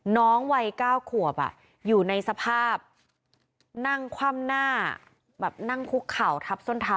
น้องวัย๙ขวบอยู่ในสภาพนั่งคว่ำหน้าแบบนั่งคุกเข่าทับส้นเท้า